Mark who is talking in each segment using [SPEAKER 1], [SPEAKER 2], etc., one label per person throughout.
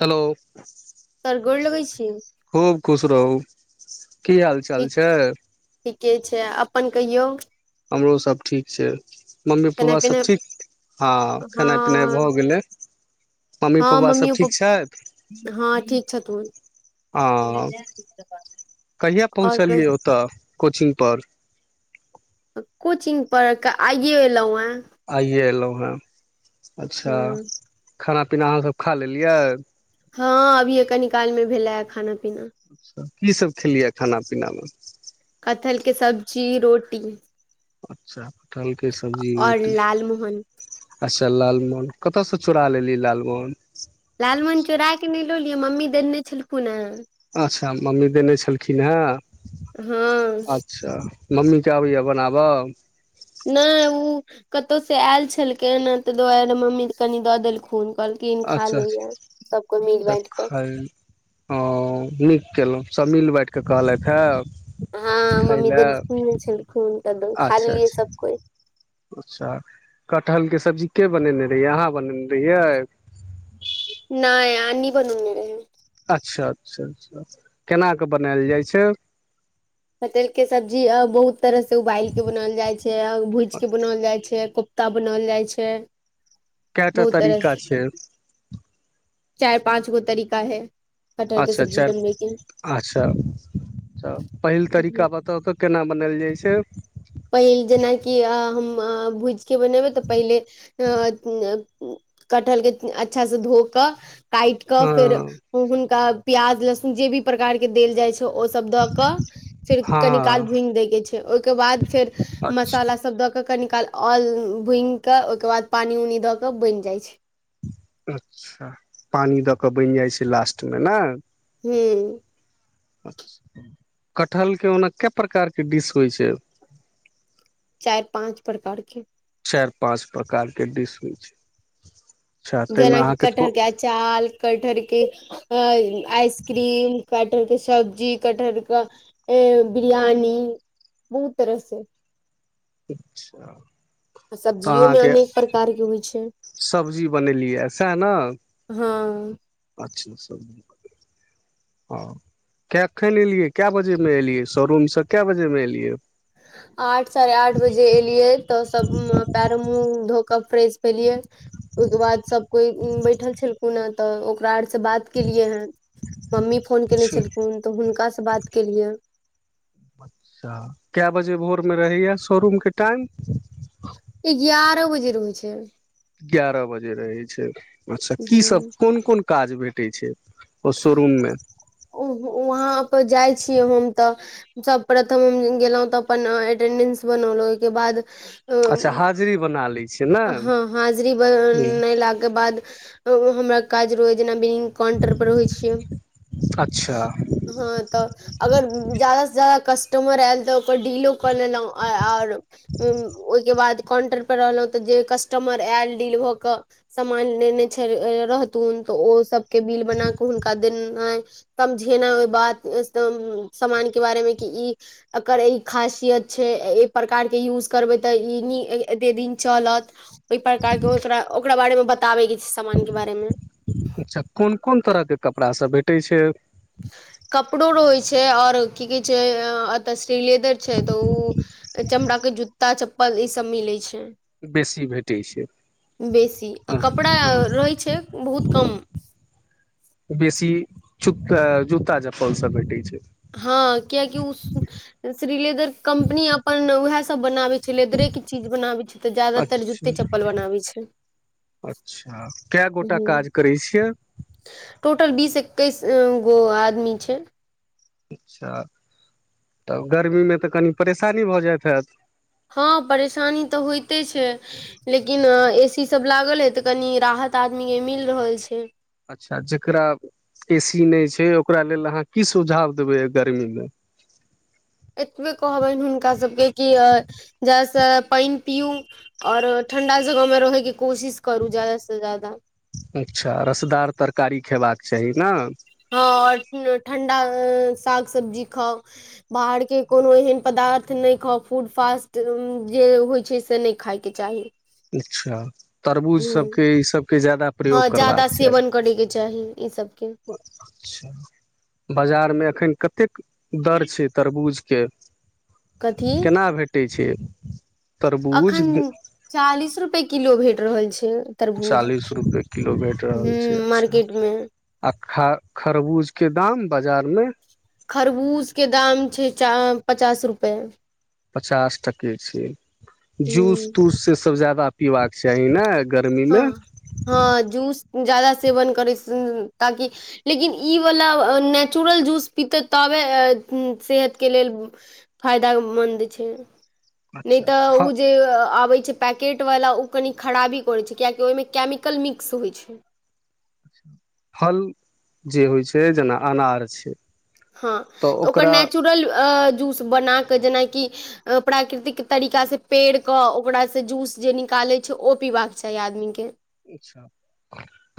[SPEAKER 1] hello
[SPEAKER 2] sir गोर लगै छी
[SPEAKER 1] खूब खुश रहू की हाल चाल
[SPEAKER 2] ठीक
[SPEAKER 1] छै
[SPEAKER 2] ठीके छै अपन कहियौ
[SPEAKER 1] हमरो सब ठीक छै मम्मी
[SPEAKER 2] खेनाइ
[SPEAKER 1] पापा सभ
[SPEAKER 2] पिनाइ
[SPEAKER 1] ठीक आ खेनाइ पिनाइ
[SPEAKER 2] हँ
[SPEAKER 1] भऽ गेलै मम्मी
[SPEAKER 2] हँ
[SPEAKER 1] पाप्पा
[SPEAKER 2] मम्मियो
[SPEAKER 1] सभ ठीक
[SPEAKER 2] पप्पा
[SPEAKER 1] छैत
[SPEAKER 2] हँ ठीक छथुन
[SPEAKER 1] ह कहिआ
[SPEAKER 2] आओर कह
[SPEAKER 1] पहुँचलियै ओतऽ कोचिंग पर
[SPEAKER 2] कोचिंग पढ़ क आइये एलहुँ यां
[SPEAKER 1] आइए एलहु हैं अच्छा
[SPEAKER 2] हूँ
[SPEAKER 1] खाना पीना अहाँ सभ खा लेलियै
[SPEAKER 2] हँ अभी कनी काल मे भेले खाना पीना
[SPEAKER 1] की सभ खेलियै खाना पीना मे
[SPEAKER 2] कटहलके सब्जी रोटी
[SPEAKER 1] अच्छा कटहल के सब्जी
[SPEAKER 2] और
[SPEAKER 1] रोटी
[SPEAKER 2] लालमोहन
[SPEAKER 1] अच्छा लालमोहन कतऽसँ चुड़ा ल एलीय लालमोहन
[SPEAKER 2] लालमोहन चोरा कऽ नहि लऽ लियअ मम्मी देने छलखुन हेँ
[SPEAKER 1] अच्छा मम्मी देने छलखिन
[SPEAKER 2] हँ
[SPEAKER 1] हेँ अच्छा मम्मीे आबैया बनाबऽ
[SPEAKER 2] नहि ओ कतहु से आयल छलखिन ह ता दुआरे मम्मी कनि दऽ देलखुन कहलखिन खा
[SPEAKER 1] अच्छा
[SPEAKER 2] ले ले सब कोइ मिल
[SPEAKER 1] अच्छा
[SPEAKER 2] बाँटि कऽ
[SPEAKER 1] ख ह कयलहुँ सब मिल बाँटिके कहलथि हँ
[SPEAKER 2] हँ मम्मी दने छलखून
[SPEAKER 1] अच्छा अच्छा अच्छा कटहल के सब्जी के बनेने रहियै अहाँ बनेने रहियै
[SPEAKER 2] नहि आनी बनौने रहै
[SPEAKER 1] अच्छा अच्छा केनाकऽ बनायल जाइ छै
[SPEAKER 2] कटहल सब्जी अ बहुत तरह से उबालि के बनाओल जाइ छै भूज के बनाओल जाय छै कोफ्ता बनाओल जाइ छै
[SPEAKER 1] केटा
[SPEAKER 2] बहुत तरह
[SPEAKER 1] तरिका
[SPEAKER 2] से
[SPEAKER 1] छै
[SPEAKER 2] चारि पाँच गो तारीका हैय
[SPEAKER 1] अच्छा चारि अच्छा पहिल
[SPEAKER 2] के
[SPEAKER 1] तारीका बताउ तऽ केना बनाएल जाइ छै
[SPEAKER 2] भुज के बनेवै तऽ पहिले कटहल के अच्छा से धो काटि क
[SPEAKER 1] हँ
[SPEAKER 2] फेर हुनका प्याज लहसुन जे भी प्रकार के देल जाइ छै ओ सब द क फेर कनी काल
[SPEAKER 1] हँ
[SPEAKER 2] भूनि दैय के छै ओहिके बाद फेर
[SPEAKER 1] अच्छा
[SPEAKER 2] मसाला सब दक के कनि काल आल भूनि कऽ ओहिके बाद पानि उनि दऽ कऽ बनि जाइ छै
[SPEAKER 1] अच्छा पानी दऽ कऽ बनि जाइ छै लास्ट मे ने
[SPEAKER 2] ह
[SPEAKER 1] कटहलके ओना कए प्रकारके डिश होइ छै
[SPEAKER 2] चारि पाँच प्रकार के
[SPEAKER 1] चारि पाँच प्रकारके डिश होय छै अच्छा ताहिमे
[SPEAKER 2] जेना कि
[SPEAKER 1] अहाँके को
[SPEAKER 2] कटहर के अचार कटहरके अ आइसक्रीम कटहर के सब्जी कटहर के अ बिरियानी बहुत तरस
[SPEAKER 1] अच्छा
[SPEAKER 2] आ सब्जियोमे अनेक प्रकार के होय छै
[SPEAKER 1] सब्जी बनेलियै सएह न
[SPEAKER 2] हँ
[SPEAKER 1] ह कखन एलियै कए बजेमे एलियै सोरूमसँ कए बजेमे एलियै
[SPEAKER 2] आठ साढ़े आठ बजे एलियै तऽ सब पैरो मुँह धो फ्रेश भेलिये ओहिके बाद सब कोई बैठल छलखुन ह तऽ ओकरा आ से बात केलिए हें मम्मी फोन केयने छलखुन तऽ हुनकासँ बात केलियै
[SPEAKER 1] अच्छा मे रहैय शोरूमके टाइम
[SPEAKER 2] ई एगारह बजे रहै छै
[SPEAKER 1] एगारह बजे रहै छै अच्छा की
[SPEAKER 2] हूँ
[SPEAKER 1] सब कोन कोन काज भेटैत छै ओ शोरूममे
[SPEAKER 2] वहाँ पर जाइ छीयै हम तऽ सबप्रथम हम गेलहुं तऽ अपन एटेंडेंस बनौलहु ओहिके बाद
[SPEAKER 1] अच्छा हाजरी बना ली
[SPEAKER 2] ह हाजरी बनेलाके बाद हमरा काज रोजना काउंटर पर होय छियै
[SPEAKER 1] अच्छा
[SPEAKER 2] हँ तऽ अगर जायदा से जायदा कस्टमर एल तऽ बडिलीयो कऽ लेलौ आओर ओयह के बाद काउंटर पर रहलहु त जे कस्टमर आयल डील भऽ के सामान लेने छै रहतुन तऽ ओ सबके बना कऽ हुनका देना समझेना ओहि बात समान के बारेमे कि ई एकर ई खासियत छै एहि प्रकार के यूज करबै तऽ ई ए दिन चलत ओहि प्रकार ओकरा बारे मे बता
[SPEAKER 1] अच्छा कोन कोन तरहके कपड़ा सब भेटै छै
[SPEAKER 2] कपड़ो रहै छै आओर की कहै छै लेदर छै तऽ ओ चमड़ा के जूता चप्पल ई सब मिले छै
[SPEAKER 1] बेसी भेटै छै
[SPEAKER 2] बेसी आ कपड़ा रहै छै बहुत कम
[SPEAKER 1] बेसी जूता चप्पल सब भेटै छै
[SPEAKER 2] हँ कियाकि ओ श्री लेदर कम्पनी अपन उएह सभ बनाबै छै लेदरे के चीज बनाबै छै तऽ ज्यदातर
[SPEAKER 1] अच्छा
[SPEAKER 2] जूत्ते चप्पल बनाबै छै
[SPEAKER 1] अच्छा कए गोटा
[SPEAKER 2] ह
[SPEAKER 1] काज करय छियै
[SPEAKER 2] टोटल बीस एकैस गो आदमी छै
[SPEAKER 1] अच्छा तऽ गर्मीमे तऽ कनि परेशानी भऽ जाइत हैत
[SPEAKER 2] हँ परेशानी तऽ होइते छै लेकिन ए सी सब लागल हे तऽ कनि राहत सात आदमी के मिल रहल छै
[SPEAKER 1] अच्छा जकरा ए सी नहि छै ओकरा लेल अहाँ की सुझाव देबै गर्मीमे
[SPEAKER 2] ह [inaudible] एतबे कहबनि हुनका सभके कि जाहिसँ पेंन पीू आओर ठण्डा जगह मे रहैके कोशिश करू जादा से जााद
[SPEAKER 1] अच्छा रसदार तरकारी खेबाक चाही ने
[SPEAKER 2] हँ ठण्डा साग सब्जी खाउ बाहर के कोनो एहन पदार्थ नहि खाउ फूड फास्ट जे होइ छै से नहि खायके चाही
[SPEAKER 1] अच्छा तरबूज
[SPEAKER 2] ह
[SPEAKER 1] सभके ईसभके जादा
[SPEAKER 2] हँ
[SPEAKER 1] प्रयोग
[SPEAKER 2] ज्यादा
[SPEAKER 1] करबाक चाही
[SPEAKER 2] सेवन करयके चाही ई सबके
[SPEAKER 1] बाजारमे एखन कतेक दर छै तरबूज फेर
[SPEAKER 2] कथी
[SPEAKER 1] केना भेटय छै
[SPEAKER 2] अखन
[SPEAKER 1] तरबूज
[SPEAKER 2] चालीस रुपे किलो भेट रहल छै तरबूज
[SPEAKER 1] चालीस रुपए किलो भेट रहल
[SPEAKER 2] ह
[SPEAKER 1] छय अच्छा
[SPEAKER 2] मार्केट मे
[SPEAKER 1] आ खा खरबूज के दाम बाजार मे
[SPEAKER 2] खरबूज के दाम छै पचास रुपए
[SPEAKER 1] पचास टके छै जूस
[SPEAKER 2] ह
[SPEAKER 1] तूस से सब ज्यादा पीबाक चाही नय
[SPEAKER 2] हँ हँ जूस ज्यादा स सेवन करै स ताकि लेकिन ई वला नेचुरल जूस पीतै तबे सेहत के लेल फायदऽमन्द छै नै
[SPEAKER 1] अच्छा
[SPEAKER 2] तऽ
[SPEAKER 1] फ
[SPEAKER 2] ओ जे आबै छै पैकेटवला ओ कनि खराबी कहय छै किये कि ओहिमे केमिकल मिक्स होय छै
[SPEAKER 1] फल जे होय छै जेना अनार छै
[SPEAKER 2] हँ तऽ ओकर नेचुरल अ जूस बनाके जेनाकि अ प्राकृतिक तरीका से पेर कऽ ओकरा से जूस जे निकालै के ओ पीबाक चाही आदमी के
[SPEAKER 1] अच्छा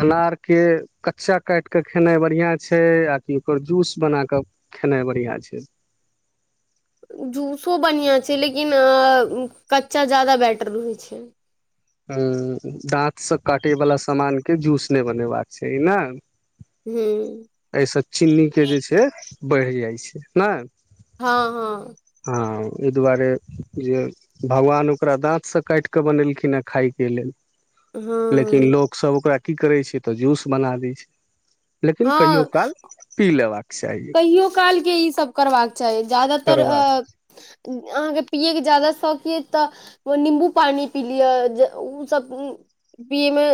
[SPEAKER 1] अनार के कच्चा काटि के खेनाय बढिया छै आ कि ओकर जूस बना कऽ खेनाइ बढिया छै
[SPEAKER 2] जूसो बनिया छै लेकिन कच्चा ज्यादा बेटर रहय छै
[SPEAKER 1] ह दाँत सँ काटय वला सामानके जूस नै बनेबाक चाही न
[SPEAKER 2] हू
[SPEAKER 1] आय से चीनी के जे छै बढ़ि जाइ छै ना
[SPEAKER 2] हा हा
[SPEAKER 1] हँ एहि दुआरे जे भगवान ओकरा दाँत से काटि कऽ बनेलखिन ह्न खायके लेल लेकिन
[SPEAKER 2] हँ
[SPEAKER 1] लोकसब ओकरा की करय छै तऽ जूस बना दै छै लेकिन कहियो काल पी लेबाक चाही
[SPEAKER 2] हो----कहियो काल के ई सब करबाक चाही ज्यादातर अ
[SPEAKER 1] करबाक
[SPEAKER 2] अहाँके पियै के ज्यादा शौक ये तऽ निम्बू पानी पी लिअ जे उ सब पिये मे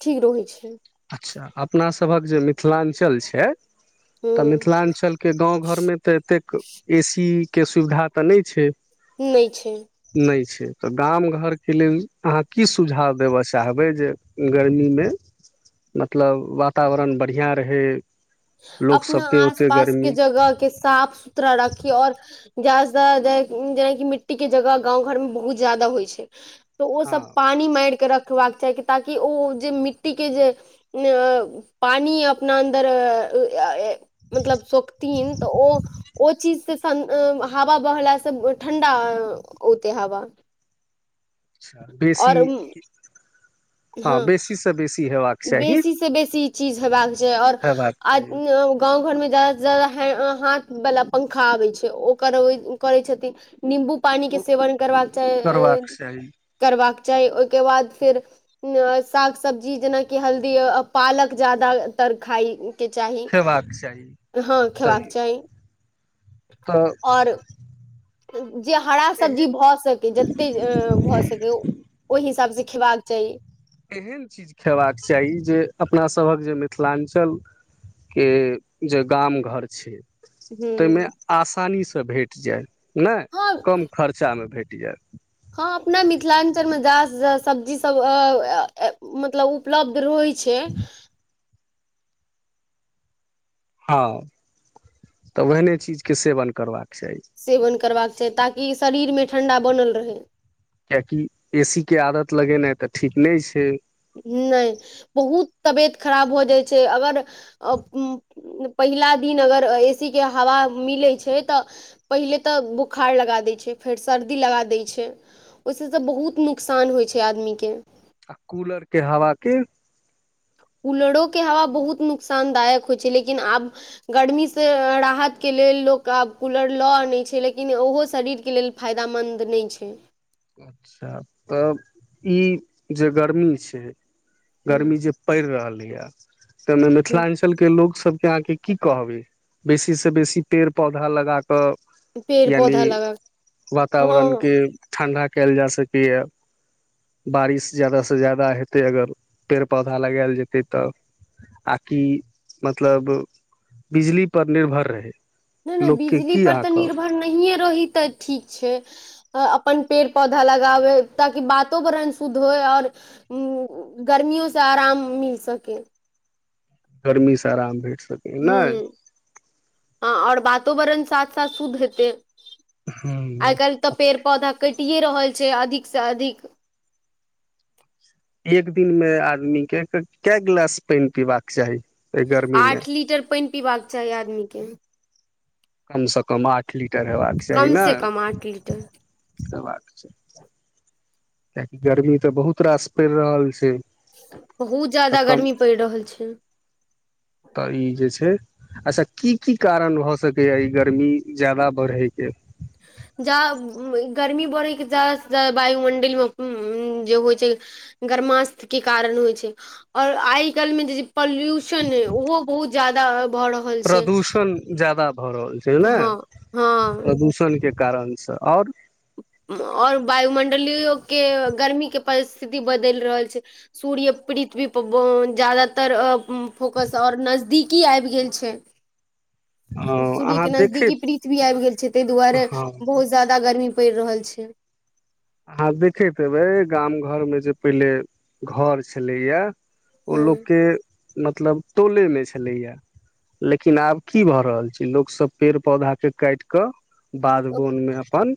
[SPEAKER 2] ठीक रहै छय
[SPEAKER 1] अच्छा अपना सभक जे मिथिलांचल छै तऽ
[SPEAKER 2] हूँ
[SPEAKER 1] मिथिलांचल के गाँव घरमे तऽ एतेक एसी के सुविधा तऽ नै छै
[SPEAKER 2] नै छै
[SPEAKER 1] नहि तऽ गाम घरके लेल अहाँ की सुझाव देबऽ चाहबै जे गर्मी मे
[SPEAKER 2] [inaudible]
[SPEAKER 1] मतलब वातावरण बढिया रहै लोक
[SPEAKER 2] अपना
[SPEAKER 1] सबके
[SPEAKER 2] आस
[SPEAKER 1] ओते
[SPEAKER 2] पास
[SPEAKER 1] गर्मी
[SPEAKER 2] के जगह के साफ सुथरा रखि और जा जेनाकि मिट्टी के जगह गाँव घर मे बहुत ज्यादा होय छै तऽ ओ
[SPEAKER 1] हँ
[SPEAKER 2] सब पानी मायर के रखबाक चाहि ताकि ओ जे मिट्टी के जे पानी अपना अन्दर अऽ अऽ मतलब शोखथिन तऽ ओ ओ चीज से हवा बहला से ठण्डा औते हावा
[SPEAKER 1] अच्छा बेसी हँ बेसी सँ बेसी हेबाक चाही
[SPEAKER 2] बेसी से बेसी ई चीज हेबाक चाहि और
[SPEAKER 1] हेबाक
[SPEAKER 2] अऽ
[SPEAKER 1] चाही
[SPEAKER 2] गाँंव घर मे ज्यादा से ज्यादा हाथ वला पंखा आबै छै ओ कर करै छथिन निम्बु पानी के
[SPEAKER 1] ओ
[SPEAKER 2] सेवन करबाक चाहि अऽ
[SPEAKER 1] करबाक चाही
[SPEAKER 2] करबाक चाहि ओय के बाद फेर साग सब्जी जेना कि हल्दी पालक ज्यादातर खाय के चाही
[SPEAKER 1] खेबाक चाही
[SPEAKER 2] हा खेबाक
[SPEAKER 1] सही
[SPEAKER 2] चाही
[SPEAKER 1] तऽ
[SPEAKER 2] आओर जे हरा सब्जी
[SPEAKER 1] एहन
[SPEAKER 2] भऽ सकेै जते भऽ सकेै ओहि हिसाब से खेबाक चाही
[SPEAKER 1] एहन चीज खयबाक चाही जे अपनासभक जे मिथिलाञ्चल के जे गाम घर छै
[SPEAKER 2] हूँ
[SPEAKER 1] ताहिमे आसानीसँ भेट जाय ने
[SPEAKER 2] हँ
[SPEAKER 1] कम खर्चामे भेट या
[SPEAKER 2] हँ अपना मिथिलाञ्चल मे ज्यादा सं ज्यादा सब्जी सब मतलब उपलब्ध रहैत छै
[SPEAKER 1] हँ तऽ ओहने चीजके सेवन करबाक चाही
[SPEAKER 2] सेवन करबाक चाही ताकि शरीरमे ठण्डा बनल रहय
[SPEAKER 1] कियकि एसी के आदत लगेनाइ तऽ ठीक नहि छै
[SPEAKER 2] नहि बहुत तबियत खराब हो जाइ छै अगर पहिला दिन अगर ए सी के हवा मिलै छै तऽ पहिले तऽ बुखार लगा दै छै फेर सर्दी लगा दै छै ओहिसँ तऽ बहुत नुकसान होइ छै आदमीके
[SPEAKER 1] आ कूलर के हवा के
[SPEAKER 2] [inaudible] कूलरो के हवा बहुत नुकसानदायक होइ छै लेकिन आब गर्मी से राहत के लेल लोक आब कूलर लऽ आनै छै लेकिन ओहो शरीरके लेल फायदामन्द नइ छै
[SPEAKER 1] अच्छा तऽ ई जे गर्मी छै
[SPEAKER 2] हूँ,
[SPEAKER 1] गर्मी जे पड़ि रहलैया ताहिमे
[SPEAKER 2] हूँ,
[SPEAKER 1] मिथिलाञ्चलके लोकसभ अहाँ के की कहबे बेसी से बेसी पेड़ पौधा लगा तऽ
[SPEAKER 2] पेड़
[SPEAKER 1] यानि
[SPEAKER 2] पौधा लगा हँ
[SPEAKER 1] वातावरण
[SPEAKER 2] हँ
[SPEAKER 1] के ठण्डा कयल जा सकैए बारिश ज्यदासँ ज्यादा हेतै अगर पेड़ पौधा लगायल जेतै तऽ आकि मतलब बिजलीपर निर्भर रहै
[SPEAKER 2] नहि नहि
[SPEAKER 1] लोकके
[SPEAKER 2] बिजली
[SPEAKER 1] की
[SPEAKER 2] पर
[SPEAKER 1] अहाँ
[SPEAKER 2] तऽ
[SPEAKER 1] कहब
[SPEAKER 2] निर्भर नहि रहि तऽ ठीक छै अपन पेड़ पौधा लगाबै ताकि वातोवरण शुद्ध होय आओर उ गर्मियोसँ आराम मिल सकेै
[SPEAKER 1] गर्मी से आराम भेट सकै नहि
[SPEAKER 2] ह और वातोवरण साथ साथ शुद्ध हेते आइ
[SPEAKER 1] हूँ
[SPEAKER 2] काल्हि तऽ पेड़ पौधा कटिए रहल छै अधिकसँ अधिक
[SPEAKER 1] एक दिन मे आदमी के कै गिलास पानि पीबाक चाही एहि गर्मीमे
[SPEAKER 2] आठ लीटर पानि पीबाक चाही आदमीके
[SPEAKER 1] कम से कम आठ ली टर हबाक चाही
[SPEAKER 2] कम से कम आठ लीटर
[SPEAKER 1] नइ हबाक चाही कआाकि गर्मी तऽ बहुत रास पड़ रहल छै
[SPEAKER 2] बहुत ज्यादा
[SPEAKER 1] [unintelligible]
[SPEAKER 2] गर्मी पड़ि रहल छै
[SPEAKER 1] त ई जे छई अच्छा की की कारण भऽ सकैया ई गर्मी ज्यादा बढ़यके
[SPEAKER 2] [inaudible] जा गर्मी बढ़ैके जााद जा वायुमंडल मे जे होइ छै गरमास्त के कारण होइ छै आओर आइ काल्हिमे जे पॉल्यूशन ओहो बहुत ज्यादा भऽ रहल छै
[SPEAKER 1] प्रदूषण जादा भऽ रहल छै
[SPEAKER 2] हँ
[SPEAKER 1] नइ
[SPEAKER 2] हँ
[SPEAKER 1] प्रदूषण के कारणसँ आओर
[SPEAKER 2] आओर वायुमंडलियो के गर्मी के परिस्थिति बदलि रहल छै सूर्य पीड़ित भी जादातर अ हूँ फोकस आओर नजदीकी आबि गेल छै सूर्य
[SPEAKER 1] अहाँ
[SPEAKER 2] के नजदीकी
[SPEAKER 1] देखैत
[SPEAKER 2] पृथ्वी आबि गेल छै तई दुआरे
[SPEAKER 1] हँ
[SPEAKER 2] बहुत ज्यादा गर्मी पईर रहल छै
[SPEAKER 1] हह देखैतेबै गाम घर मे जे पहिले घर छलैया ओ
[SPEAKER 2] हूँ
[SPEAKER 1] लोकके मतलब टोलेमे छलैइए लेकिन आब की भऽ रहल छै लोकसभ पेड़ पौधाके काटि कऽ बाध बन में अपन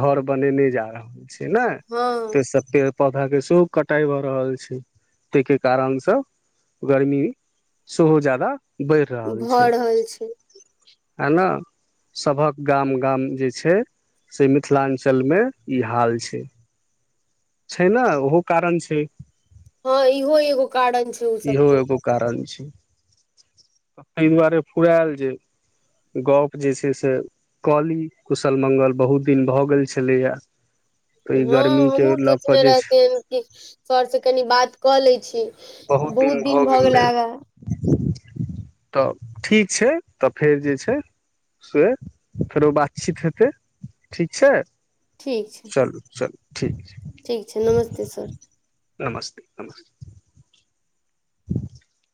[SPEAKER 1] घर बनेने जा रहल छै न
[SPEAKER 2] हँ
[SPEAKER 1] तेँ स पेड़ पौधा के सेहो कटाइ भऽ रहल छै तैके कारणसँ गर्मी सेहो जादा बढ़ि रहल छै
[SPEAKER 2] भऽ रहल छै
[SPEAKER 1] हे न सभक गाम गाम जे छैय से मिथिलांचल मे ई हाल छै छै न ओहो कारण छै
[SPEAKER 2] हँ इहो एगो कारण छै ओ
[SPEAKER 1] इहो
[SPEAKER 2] सबके
[SPEAKER 1] एगो कारण छै एय दुआरे फुरायल जे गप्प जे छैय से कली कुशल मंगल बहुत दिन भऽ गेल छलैए
[SPEAKER 2] हँ हमहूँ सोचने रेहथियन कि सर से कनी बात कऽ लैय छी बहुत दिन भऽ गेलै आगा
[SPEAKER 1] तऽ ठीक छै तऽ फेर जे छै से फेरो बातचीत हेतै ठीक छै
[SPEAKER 2] ठीक छै
[SPEAKER 1] चलू चलू ठीक
[SPEAKER 2] ठीक छै
[SPEAKER 1] छैय
[SPEAKER 2] नमस्ते सर
[SPEAKER 1] नमस्ते नमस्ते [inaudible]